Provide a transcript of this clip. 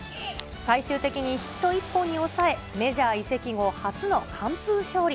最終的にヒット１本に抑え、メジャー移籍後初の完封勝利。